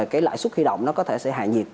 cái lãi suất huy động nó có thể sẽ hạ nhiệt